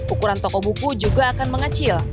ukuran toko buku juga akan mengecil